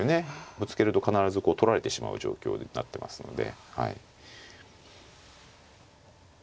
ぶつけると必ず取られてしまう状況になってますので。